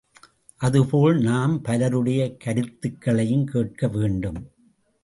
அதுபோல் நாம் பலருடைய கருத்துக்களையும் கேட்க வேண்டும்.